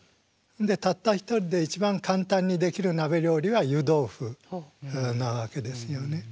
でたった一人で一番簡単にできる鍋料理は湯豆腐なわけですよね。